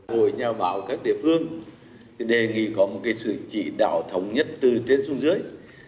hội nhà báo các địa phương đề nghị có một sự chỉ đạo thống nhất từ trên xuống dưới